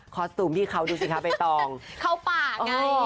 สตูมพี่เขาดูสิคะใบตองเข้าป่าไง